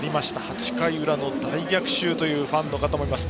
８回裏の大逆襲というファンの方もいます。